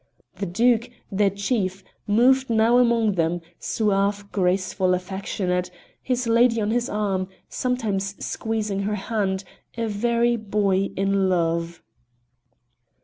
The Duke, their chief, moved now among them suave, graceful, affectionate, his lady on his arm, sometimes squeezing her hand, a very boy in love!